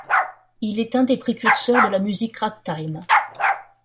Il est un des précurseurs de la musique ragtime.